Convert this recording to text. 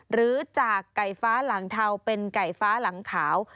หรือจากไก่ฟ้าหลังเทาเป็นไก่ฟ้าหลังขาว